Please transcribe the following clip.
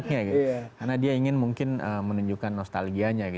karena dia ingin menunjukkan nostalgianya